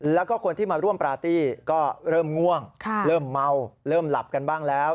แล้วก็คนที่มาร่วมปาร์ตี้ก็เริ่มง่วงเริ่มเมาเริ่มหลับกันบ้างแล้ว